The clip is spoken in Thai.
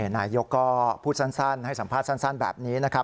นายกก็พูดสั้นให้สัมภาษณ์สั้นแบบนี้นะครับ